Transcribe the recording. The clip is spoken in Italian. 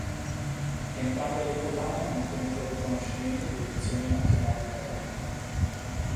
Entrambe le collane hanno ottenuto il riconoscimento di Edizioni Nazionali Italiane.